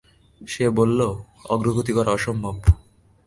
সে বলল, অগ্রগতি করা অসম্ভব।